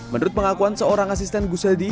menurut pengakuan seorang asisten gus hadi